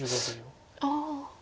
ああ。